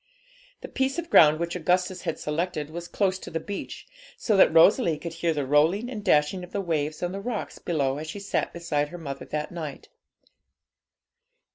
The piece of ground which Augustus had selected was close to the beach, so that Rosalie could hear the rolling and dashing of the waves on the rocks below as she sat beside her mother that night.